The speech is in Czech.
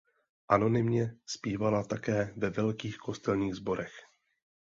Anonymně zpívala také ve velkých kostelních sborech.